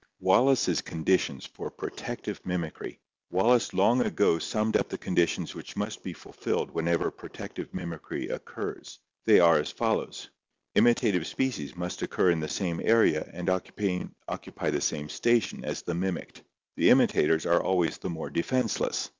Wallace's Conditions for Protective Mimicry. — Wallace long ago summed up the conditions which must be fulfilled whenever protective mimicry occurs. They are as follows: 1. Imitative species must occur in the same area and occupy the same station as the mimicked. 2. The imitators are always the more defenseless.